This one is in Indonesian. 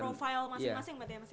sesuai profile masing masing mbak tmsn